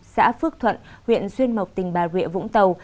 xã phước thuận huyện xuyên mộc tỉnh bà rịa vũng tàu